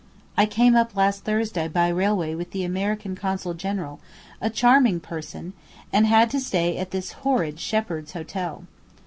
I came up last Thursday by railway with the American Consul General, a charming person, and had to stay at this horrid Shepheard's Hotel.